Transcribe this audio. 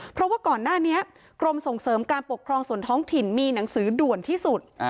เพราะว่าก่อนหน้านี้กรมส่งเสริมการปกครองส่วนท้องถิ่นมีหนังสือด่วนที่สุด